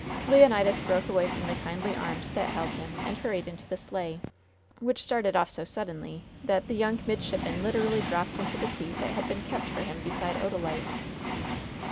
Leonidas broke away from the kindly arms that held him and hurried into the sleigh, which started off so suddenly that the young midshipman literally dropped into the seat that had been kept for him beside Odalite.